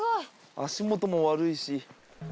足もとも悪いし。